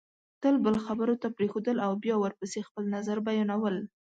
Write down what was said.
تل بل خبرو ته پرېښودل او بیا ورپسې خپل نظر بیانول